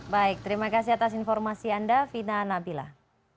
baik terima kasih atas informasi anda vina nabilah